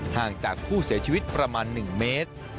ห่างจากผู้เสียชีวิตประมาณ๑เมตร